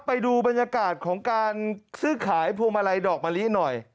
ไปดูบรรยากาศของการซื้อขายพวงมาลัยดอกมะลิหน่อย